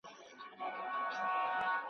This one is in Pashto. د نامردو ګوزارونه وار په وار سي `